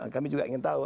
kami juga ingin tahu